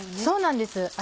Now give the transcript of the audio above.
そうなんです